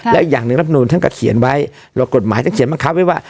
แล้วอย่างหนึ่งรับนูลท่านก็เขียนไว้แล้วกฎหมายท่านเขียนบังคับไว้ว่า